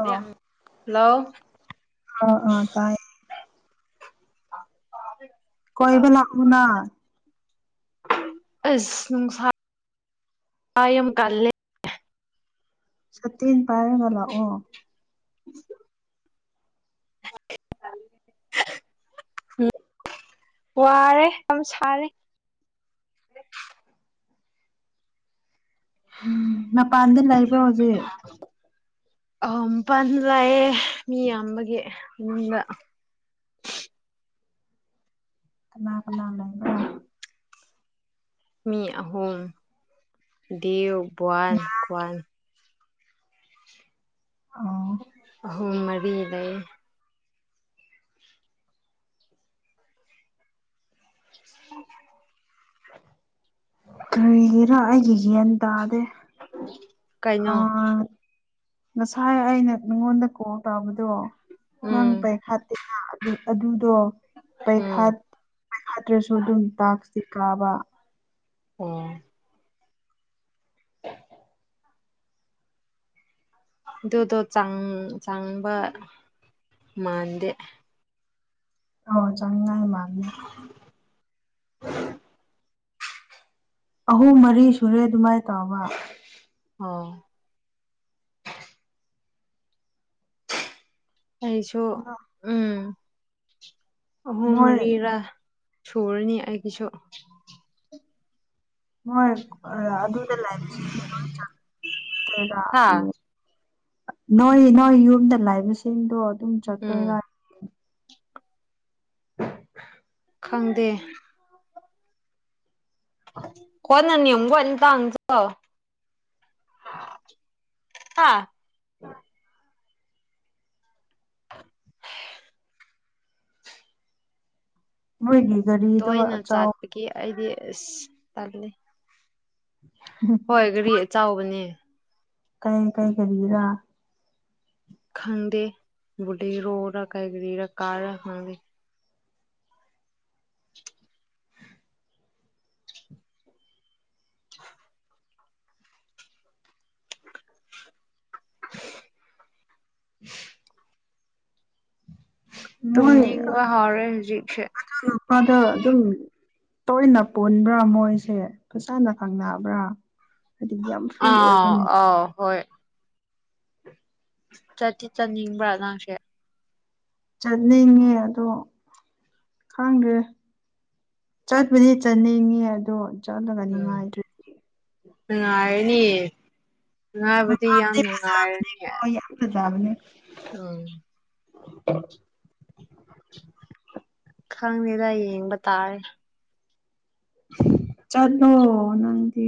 ꯑ ꯍꯜꯂꯣ ꯑ ꯑꯥ ꯇꯥꯏ ꯑ ꯀꫭꯏꯕ ꯂꯥꯛꯎꯅ ꯑꯁ ꯅꯨꯡꯁꯥ ꯌꯥꯝ ꯇꯜꯂꯦ ꯁꯇꯤꯟ ꯄꯥꯏꯔꯒ ꯂꯥꯛꯑꯣ ꯎꯝ ꯎꯝ ꯋꯥꯔꯦ ꯌꯥꯝ ꯁꯥꯔꯦ ꯎ ꯃꯥ ꯄꯥꯟꯗ ꯂꯩꯕ꯭ꯔꯣ ꯍꯧꯖꯤꯛ ꯑꯧ ꯃꯄꯜꯗ ꯂꯥꯛꯑꯦ ꯃꯤ ꯌꯥꯝꯕꯒꯤ ꯌꯨꯝꯗ ꯀꯅꯥ ꯀꯅꯥ ꯂꯩꯕꯔꯥ ꯃꯤ ꯑꯍꯨꯝ ꯗꯦꯕ ꯕꯥꯟ ꯀ꯭ꯋꯥꯟ ꯑꯣ ꯎꯝ ꯃꯔꯤ ꯂꯩ ꯀꯔꯤꯒꯤꯔꯥ ꯑꯩꯒꯤ ꯒ꯭ꯌꯥꯟ ꯇꯥꯗꯦ [unintelligible] ꯑꯥ ꯉꯁꯥꯏ ꯑꯩꯅ ꯅꯪꯉꯣꯟꯗ ꯀꯣꯜ ꯇꯧꯕꯗꯣ ꯅꯪ ꯎꯝ ꯄꯔꯤꯈꯥꯠꯇꯦꯅ ꯑꯗꯨꯗꯣ ꯄꯩꯈꯥ ꯎꯝ ꯐꯠꯇ꯭ꯔꯁꯨ ꯑꯗꯨꯝ ꯇꯥꯛꯇꯤ ꯀꯥꯕ ꯑꯣ [inaudible] ꯑꯗꯨꯗꯣ ꯆꯪ ꯆꯪꯕ ꯃꯥꯟꯗꯦ ꯑꯣ ꯆꯪꯕ ꯃꯥꯟꯗꯦ [inaudible] ꯑꯍꯨꯝ ꯃꯔꯤ ꯁꯨꯔꯦ ꯑꯗꯨꯃꯥꯏꯅ ꯇꯧꯕ ꯑꯣ ꯑꯩꯁꯨ ꯎꯝ ꯑꯍꯨꯝ ꯃꯣꯏ ꯃꯔꯤꯔꯥ ꯁꯨꯔꯅꯤ ꯑꯩꯒꯤꯁꯨ ꯃꯣꯏ ꯑꯗꯨꯗ ꯂꯩꯕꯁꯤꯡꯗꯣ ꯂꯣꯏ ꯆꯪꯈ꯭ꯔꯦꯗ ꯍꯥ ꯅꯣꯏ ꯅꯣꯏ ꯌꯨꯝꯗ ꯂꯩꯕꯁꯤꯡꯗꯣ ꯑꯗꯨꯝ ꯆꯠꯇꯣꯏꯔ ꯎꯝ ꯈꯪꯗꯦ [unintelligible] ꯍꯥ ꯃꯣꯏꯒꯤ ꯒꯔꯤ ꯇꯣꯏꯅ ꯆꯥꯠꯄꯒꯤ ꯑꯩꯗꯤ ꯑꯁ ꯇꯜꯂꯤ ꯎꯝ ꯍꯣꯏ ꯒꯥꯔꯤ ꯑꯆꯥꯎꯕꯅꯦ ꯀꯔꯤ ꯀꯩ ꯒꯔꯤꯔꯥ ꯈꯪꯗꯦ ꯕꯨꯗꯤꯔꯣꯔ ꯀꯔꯤꯔ ꯀꯥꯔ ꯔ ꯈꯪꯗꯦ [inaudible] [inaudible] ꯃꯣꯏ ꯇꯨꯝꯅꯤꯡꯕ ꯍꯥꯎꯔꯦ ꯍꯧꯖꯤꯛꯁꯦ ꯃꯥꯗꯣ ꯑꯗꯨꯝ ꯇꯣꯏꯅ ꯄꯨꯟꯕ꯭ꯔꯥ ꯃꯣꯏꯁꯦ ꯐꯖꯅ ꯈꯪꯅꯕ꯭ꯔꯥ ꯍꯥꯏꯗꯤ ꯌꯥꯝ ꯐ꯭ꯔꯤ ꯑꯣꯏꯕ ꯑꯥ ꯃ ꯑ ꯍꯣꯏ ꯆꯠꯇꯤ ꯆꯠꯅꯤꯡꯕ꯭ꯔꯥ ꯅꯪꯁꯦ ꯆꯠꯅꯤꯡꯉꯦ ꯑꯗꯣ ꯈꯪꯗꯦ ꯆꯠꯄꯗꯤ ꯆꯠꯅꯤꯡꯉꯦ ꯑꯗꯣ ꯆꯠꯂꯒ ꯎꯝ ꯅꯨꯡꯉꯥꯏꯗ꯭ꯔ ꯅꯨꯡꯉꯥꯏꯔꯅꯤ ꯅꯨꯡꯉꯥꯏꯕꯗꯤ ꯌꯥꯝ ꯃꯐꯝꯗꯤ ꯅꯨꯡꯉꯥꯏꯔꯅꯤ ꯐꯖꯕꯅꯦꯀꯣ ꯌꯥꯝ ꯐꯖꯕꯅꯦ ꯎꯝ [unintelligible] ꯈꯪꯗꯦꯗ ꯌꯦꯡꯕ ꯇꯥꯔꯦ ꯆꯠꯂꯣ ꯅꯪꯗꯤ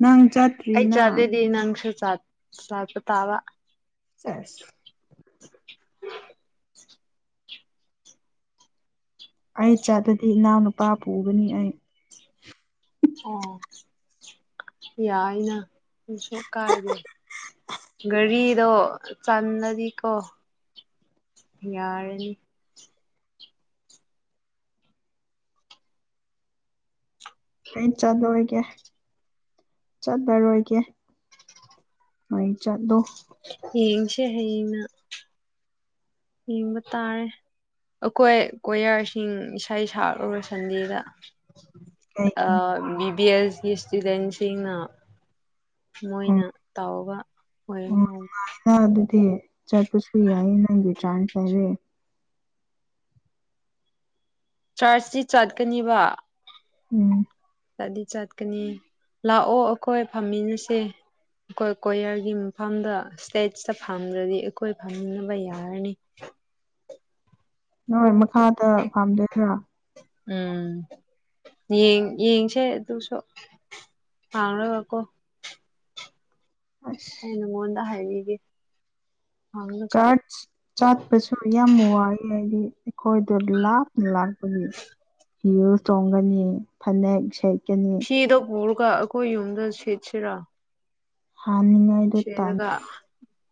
ꯅꯪ ꯑꯩ ꯆꯠꯇ꯭ꯔꯤꯅ ꯆꯠꯂꯗꯤ ꯅꯪꯁꯨ ꯆꯠ ꯆꯠꯄꯇꯥꯕ ꯆꯠꯁ ꯑꯩ ꯆꯠꯂꯗꯤ ꯏꯅꯥꯎꯅꯨꯄꯥ ꯄꯨꯒꯅꯤ ꯑꯩ ꯑꯣ ꯌꯥꯏꯅ ꯀꯩꯁꯨ ꯀꯥꯏꯗꯦ ꯒꯥꯔꯤꯗꯣ ꯆꯥꯟꯂꯗꯤꯀꯣ ꯌꯥꯔꯅꯤ ꯑꯩ ꯆꯠꯂꯣꯏꯒꯦ ꯆꯠꯂꯔꯣꯏꯒꯦ ꯅꯪ ꯆꯠꯂꯣ ꯌꯦꯡꯁꯦ ꯍꯌꯦꯡꯅ ꯌꯦꯡꯕ ꯇꯥꯔꯦ ꯑꯩꯈꯣꯏ ꯀꯣꯌꯥꯔꯁꯤꯡ ꯏꯁꯩ ꯁꯛꯂꯨꯔ ꯁꯟꯗꯦꯗ ꯀꯩꯒꯤ ꯕꯤꯕꯤ ꯑꯦꯁꯀꯤ ꯏꯁꯇꯨꯗꯦꯟꯁꯤꯡꯅ ꯎꯝ ꯃꯣꯏꯅ ꯇꯥꯎꯕ ꯑꯣꯏ ꯑ ꯑꯗꯨꯗꯤ ꯆꯠꯄꯁꯨ ꯌꯥꯏꯌꯦ ꯅꯪꯒꯤ ꯆꯥꯟꯁ ꯂꯩꯔꯦ ꯆꯥꯔꯆꯁꯤ ꯆꯠꯀꯅꯤꯕ ꯎꯝ ꯆꯠꯗꯤ ꯆꯠꯀꯅꯤ ꯂꯥꯛꯑꯣ ꯑꯩꯈꯣꯏ ꯐꯝꯃꯤꯟꯅꯁꯦ ꯑꯩꯈꯣꯏ ꯀꯣꯌꯔꯒꯤ ꯃꯐꯝꯗ ꯏꯁꯇꯦꯠꯇ ꯐꯝꯗ꯭ꯔꯗꯤ ꯑꯩꯈꯣꯏ ꯐꯝꯃꯤꯟꯅꯕ ꯌꯥꯔꯅꯤ ꯅꯣꯏ ꯃꯈꯥꯗ ꯐꯝꯗꯣꯏꯔꯣ ꯎꯝ ꯌꯦꯡ ꯌꯦꯡꯁꯦ ꯑꯗꯨꯁꯨ ꯍꯥꯎꯅ ꯋꯥꯀꯣ ꯑꯁ ꯑꯩꯅ ꯃꯉꯣꯟꯗ ꯍꯥꯏꯕꯤꯒꯦ ꯍꯪꯉꯒ ꯆꯥꯠꯁ ꯆꯠꯄꯁꯨ ꯌꯥꯝ ꯋꯥꯏꯌꯦ ꯍꯥꯏꯗꯤ ꯑꯩꯈꯣꯏꯗꯣ ꯂꯥꯞꯅ ꯂꯥꯛꯄꯒꯤ ꯌꯨ ꯇꯣꯡꯒꯅꯤ ꯐꯅꯦꯛ ꯁꯦꯠꯀꯅꯤ ꯐꯤꯗꯣ ꯄꯨꯔꯒ ꯑꯩꯈꯣꯏ ꯌꯨꯝꯗ ꯁꯦꯠꯁꯤꯔꯥ ꯍꯝꯅꯤꯡꯉꯥꯏ ꯁꯦꯠꯂ ꯒ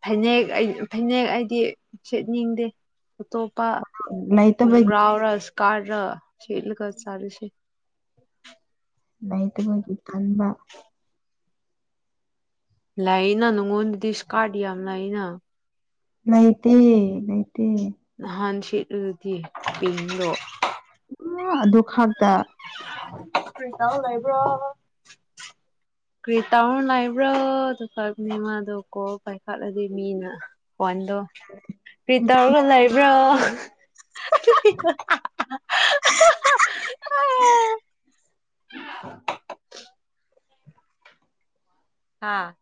ꯐꯅꯦꯛ ꯑꯩ ꯐꯅꯦꯛ ꯑꯩꯗꯤ ꯁꯦꯠꯅꯤꯡꯗꯦ ꯑ ꯇꯣꯞꯄꯥ ꯇꯟꯕ ꯂꯩꯇꯕꯒꯤ ꯈꯣꯡꯒꯔꯥꯎ ꯔ ꯁꯀꯥꯔ ꯔ ꯁꯦꯠꯂꯒ ꯆꯠꯁꯤ ꯂꯩꯇꯕꯒꯤ ꯇꯟꯕ [unintelligible] ꯂꯩꯅ ꯅꯪꯉꯣꯟꯗꯗꯤ ꯏꯁ ꯀꯥꯠ ꯌꯥꯝ ꯂꯩꯅ ꯂꯩꯇꯦ ꯂꯩꯇꯦ ꯅꯍꯥꯟ ꯁꯦꯠꯂꯗꯤ ꯄꯤꯡꯗꯣ ꯑꯗꯨ ꯈꯥꯛꯇ [unintelligible] ꯀꯔꯤ ꯇꯧꯔ ꯂꯩꯕ꯭ꯔꯣ ꯑꯗꯨ ꯃꯗꯣ ꯀꯣꯜ ꯄꯥꯏꯈꯠꯂꯗꯤ ꯃꯤꯅ ꯋꯥꯟꯗꯣ ꯀꯔꯤ ꯇꯧꯔꯒ ꯂꯩ ꯕ꯭ꯔꯣ [unintelligible] ꯍꯥꯥ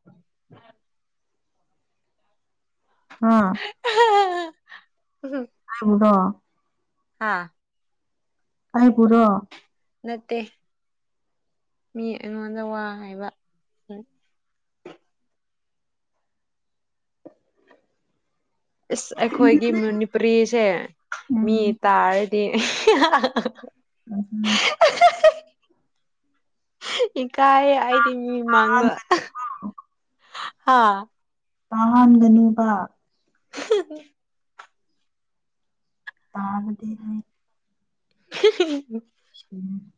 ꯑꯥ ꯎꯝ ꯍꯥꯏꯕꯨꯗꯣ ꯍꯥꯥ ꯑꯩꯥꯕꯨꯔꯣ ꯅꯠꯇꯦ ꯃꯤ ꯑꯩꯉꯣꯟꯗ ꯋꯥ ꯍꯥꯏꯕ ꯏꯁ ꯑꯩꯈꯣꯏꯒꯤ ꯃꯅꯤꯄꯨꯔꯤꯁꯦ ꯃꯤ ꯎꯝ ꯇꯥꯔꯗꯤ ꯎꯝ ꯏꯀꯥꯏꯌꯦ ꯍꯥꯏꯗꯤ ꯃꯤ ꯃꯥꯡꯕ ꯇꯥꯍꯟꯒꯅꯨ ꯍꯥ ꯄꯥꯍꯥꯟꯒꯅꯨꯕ [inaudible] ꯄꯕꯗꯤ ꯃꯤ [unintelligible] ꯎꯝ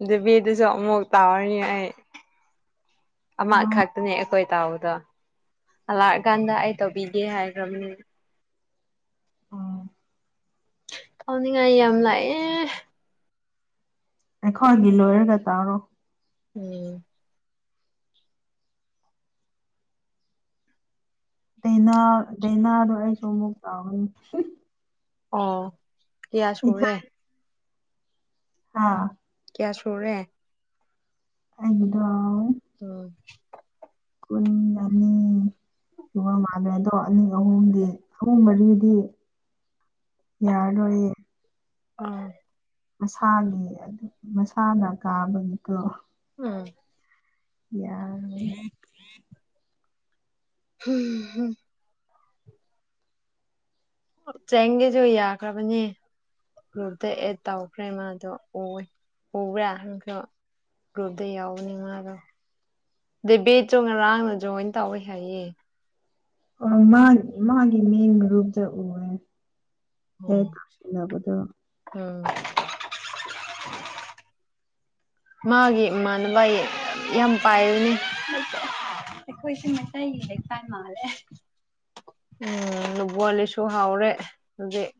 ꯑꯗꯨ ꯕꯤꯗꯨꯁꯨ ꯑꯃꯨꯛꯇꯥꯎꯔꯅꯤ ꯑꯩ ꯑꯃ ꯇꯥꯎ ꯈꯛꯇꯅꯦ ꯑꯩꯈꯣꯏ ꯇꯥꯎꯕꯗꯣ ꯂꯥꯛꯑꯀꯥꯟꯗ ꯑꯩ ꯇꯧꯕꯤꯒꯦ ꯍꯥꯏꯈ꯭ꯔꯕꯅꯤ ꯎꯝ ꯑꯥꯎꯅꯤꯡꯉꯥꯏ ꯌꯥꯝ ꯂꯥꯛꯑꯦ ꯑꯩꯈꯣꯏꯒꯤ ꯂꯣꯏꯔꯒ ꯇꯧꯔꯣ ꯎꯝ ꯗꯩꯅ ꯗꯩꯅꯦꯗꯣ ꯑꯩꯁꯨ ꯑꯃꯨꯛ ꯇꯥꯎꯏ ꯑꯣ ꯀꯌꯥ ꯁꯨꯔꯦ ꯍꯥꯥ ꯀꯌꯥ ꯁꯨꯔꯦ ꯑꯩꯒꯤꯗꯣ ꯎꯝ ꯀꯨꯟ ꯑꯅꯤ ꯁꯨꯕ ꯃꯥꯟꯂꯦ ꯑꯗꯣ ꯑꯅꯤ ꯑꯍꯨꯝꯗꯤ ꯑꯍꯨꯝ ꯃꯔꯤꯗꯤ ꯌꯥꯔꯔꯣꯏꯌꯦ ꯑꯥ ꯃꯁꯥꯒꯤ ꯑꯗꯨ ꯃꯁꯥꯅ ꯀꯥꯕꯒꯤꯗꯣ ꯎꯝ ꯌꯥꯝꯃꯦ ꯍꯝ ꯍꯝ ꯆꯦꯡꯒꯦꯁꯨ ꯌꯥꯈ꯭ꯔꯕꯅꯤ ꯒ꯭ꯔꯨꯞꯇ ꯑꯦꯠ ꯇꯧꯈ꯭ꯔꯦ ꯃꯥꯗꯣ ꯑꯣꯏ ꯎꯕ꯭ꯔꯥ ꯒ꯭ꯔꯨꯞꯇ ꯌꯥꯎꯕꯅꯥ ꯃꯥꯗꯣ ꯗꯦ ꯕꯦꯠ ꯆꯣ ꯉꯔꯥꯡꯅ ꯖꯣꯏꯟ ꯇꯧꯋꯦ ꯍꯥꯏꯌꯦ ꯑ ꯃꯥ ꯃꯥꯒꯤ ꯃꯦꯟ ꯒ꯭ꯔꯨꯞꯇ ꯎꯔꯦ ꯑꯣ [unintelligible] ꯎꯝ ꯃꯥꯒꯤ ꯃꯥꯟꯕꯩ ꯌꯥꯝ ꯄꯥꯏꯕꯅꯤ ꯑꯩꯈꯣꯏ ꯁꯤ ꯃꯩꯇꯩꯒꯤ ꯂꯩꯀꯥꯏ ꯃꯥꯟꯂꯦ ꯎꯝ ꯕꯣꯂꯤꯁꯨ ꯍꯥꯎꯔꯦ ꯍꯧꯖꯤꯛ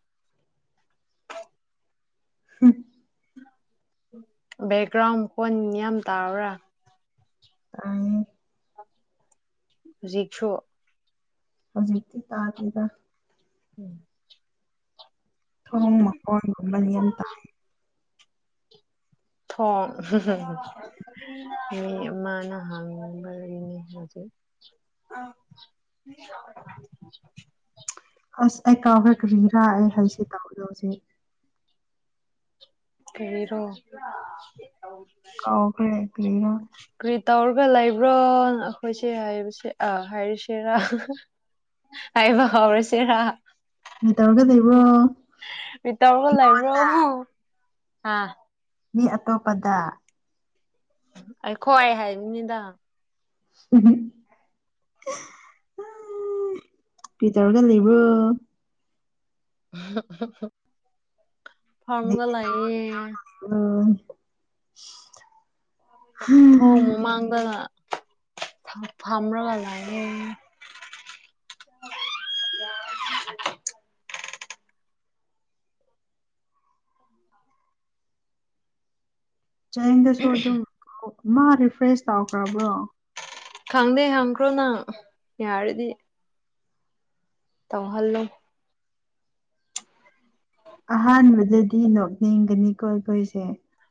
ꯍꯝ ꯕꯦꯛꯒ꯭ꯔꯥꯎꯟ ꯀꯣꯟ ꯌꯥꯝ ꯇꯥꯕ꯭ꯔꯥ ꯇꯥꯏꯌꯦ ꯍꯧꯖꯤꯛꯁꯨ ꯍꯧꯖꯤꯛ ꯇꯤ ꯇꯥꯗꯦꯗ ꯎꯝ ꯊꯣꯡ ꯃꯈꯣꯟ ꯒꯨꯝꯕꯗꯤ ꯌꯥꯝ ꯇꯥꯏ ꯊꯣꯡ ꯃꯤ ꯑꯃꯥꯅ ꯍꯡꯕꯒꯤꯅꯤ ꯍꯧꯖꯤꯛ [unintelligible] ꯑꯁ ꯑꯩ ꯀꯥꯎꯈ꯭ꯔꯦ ꯀꯒꯔꯤꯔꯥ ꯑꯩ ꯍꯥꯏꯁꯦ ꯇꯥꯗꯧꯁꯦ ꯀꯔꯤꯔꯣ ꯀꯥꯎꯈꯔꯦ ꯀꯔꯤꯔ ꯀꯔꯤ ꯇꯧꯔꯒ ꯂꯩꯕ꯭ꯔꯣ ꯑꯩꯈꯣꯏꯁꯦ ꯍꯥꯏꯕꯁꯦ ꯑꯥ ꯍꯥꯏꯔꯤꯁꯤꯔꯥ ꯍꯥꯏꯕ ꯍꯧꯔꯁꯤꯔ ꯀꯩ ꯇꯧꯔꯒ ꯂꯩꯕ꯭ꯔꯣ ꯇꯧꯔꯒ ꯂꯩꯕ꯭ꯔꯣ ꯍꯥ ꯃꯤ ꯑꯇꯣꯞꯄꯗ ꯑꯩꯈꯣꯏ ꯍꯥꯏꯕꯅꯤꯗꯥ ꯀ꯭ꯔꯤ ꯇꯧꯔꯒ ꯂꯩꯕ꯭ꯔꯣ ꯐꯝꯔꯒ ꯂꯥꯏꯌꯦ ꯑꯣ ꯊꯣꯡ ꯃꯃꯥꯡꯗ ꯐꯝꯔꯒ ꯂꯩꯌꯦ ꯆꯦꯡꯗꯁꯨ ꯑꯗꯨꯝ ꯃꯥ ꯔꯤꯐ꯭ꯔꯦꯁ ꯇꯧꯈ꯭ꯔꯕ꯭ꯔꯣ ꯈꯪꯗꯦ ꯍꯪꯈ꯭ꯔꯣ ꯅꯪ ꯌꯥꯔꯗꯤ꯫ ꯇꯧꯍꯜꯂꯣ ꯑꯍꯥꯟꯕꯗꯗꯤ ꯅꯣꯛꯅꯤꯡꯒꯅꯤꯀꯣ ꯑꯩꯈꯣꯏꯁꯦ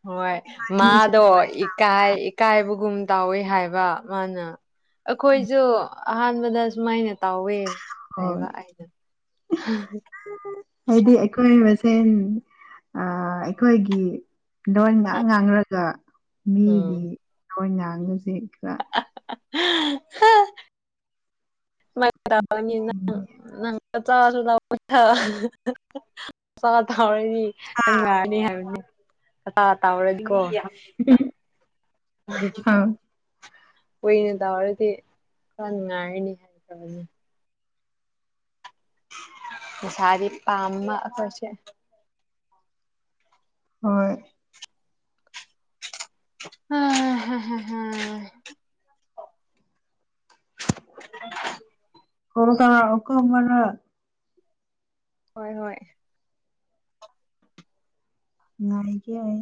ꯍꯣꯏ ꯑꯅꯤꯁꯦ ꯃꯥꯗꯣ ꯑꯗꯨꯃꯥꯏꯅ ꯇꯧꯋꯤꯅ ꯏꯀꯥꯏꯕꯒꯨꯝ ꯇꯧꯋꯤ ꯍꯥꯏꯕ ꯃꯥꯅ ꯑꯈꯣꯏꯁꯨ ꯑꯍꯥꯟꯕꯗ ꯑꯁꯨꯨꯃꯥꯏꯅ ꯇꯥꯎꯋꯦ ꯍꯣꯏ ꯍꯥꯏꯕ ꯑꯩꯗꯣ ꯍꯥꯏꯗꯤ ꯑꯩꯈꯣꯏ ꯃꯁꯦꯟ ꯑ ꯑꯩꯈꯣꯏꯒꯤ ꯂꯣꯟ ꯉꯍꯥꯛ ꯉꯥꯡꯂꯔꯒ ꯎꯝ ꯃꯤꯒꯤ ꯂꯣꯟ ꯉꯥꯡꯕꯁꯦ ꯈꯔ [unintelligible] [unintelligible] ꯆꯥ ꯊꯔꯗꯤ ꯅꯪ ꯅꯔꯥꯅꯤ ꯍꯥꯏꯕꯅꯤ ꯑꯇꯥꯥ ꯇꯥꯎꯔꯗꯤꯀꯣ ꯑ ꯀꯨꯏꯅ ꯇꯧꯔꯗꯤ ꯈꯔ ꯅꯨꯡꯉꯥꯏꯔꯅꯤ [unintelligible] ꯄꯩꯁꯥꯗꯤ ꯄꯥꯝꯕ ꯑꯈꯣꯏꯁꯦ ꯍꯣꯏ꯫ ꯍꯥ ꯍꯥ ꯍꯥ ꯍꯥ [unintelligible] ꯍꯣꯏ ꯍꯣꯏ ꯉꯥꯏꯒꯦ ꯑꯩ